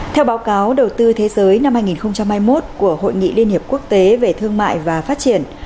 theo báo cáo đầu tư thế giới năm hai nghìn hai mươi một của hội nghị liên hiệp quốc tế về thương mại và phát triển